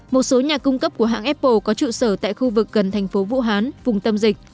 một số nhà cung cấp của hãng apple có trụ sở tại khu vực gần thành phố vũ hán vùng tâm dịch